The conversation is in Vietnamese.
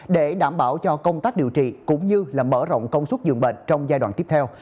để đảm bảo cho công tác điều trị cũng như mở rộng công suất dường bệnh trong giai đoạn tiếp theo